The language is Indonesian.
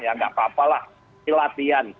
ya tidak apa apa lah